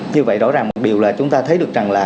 như vậy rõ ràng một điều là chúng ta thấy được rằng là